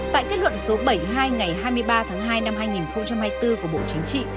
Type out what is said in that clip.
tại kết luận số bảy mươi hai ngày hai mươi ba tháng hai năm hai nghìn hai mươi bốn của bộ chính trị